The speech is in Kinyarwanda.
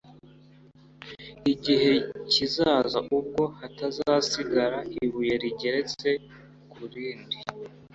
igihe kizaza ubwo hatazasigara ibuye rigeretse ku rindi